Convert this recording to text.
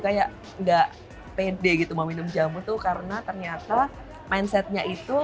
kayak nggak pede gitu mau minum jamu tuh karena ternyata mindsetnya itu